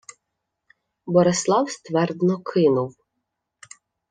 Борислав ствердно кинув: